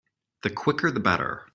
The quicker the better.